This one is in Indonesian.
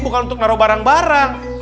bukan untuk naruh barang barang